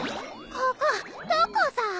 ここどこさ？